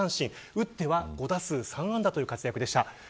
打っては５打数３安打の活躍でした。